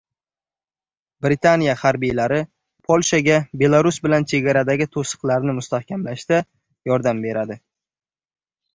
Britaniya harbiylari Polshaga Belarus bilan chegaradagi to‘siqlarni mustahkamlashda yordam beradi